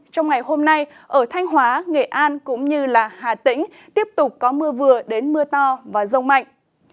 trong ngày hôm nay ở thanh hóa nghệ an cũng như hà tĩnh tiếp tục có mưa vừa đến mưa to và rông mạnh